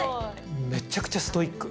めちゃくちゃストイック。